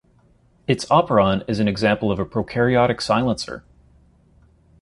Its operon is an example of a prokaryotic silencer.